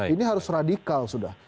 ini harus radikal sudah